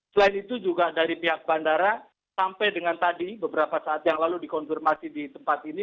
selain itu juga dari pihak bandara sampai dengan tadi beberapa saat yang lalu dikonfirmasi di tempat ini